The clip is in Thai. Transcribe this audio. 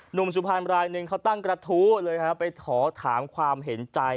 หนุ่มสุพรรณรายนึงเขาตั้งกระทู้เลยครับไปขอถามความเห็นใจ